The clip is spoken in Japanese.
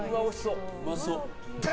うまそう！